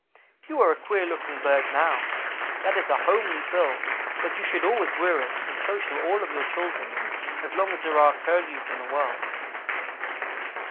"'You are a queer looking bird now. That is a homely bill, but you shall always wear it and so shall all of your children, as long as there are Curlews in the world.'